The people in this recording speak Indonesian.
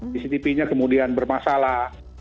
cctv nya kemudian bermasalah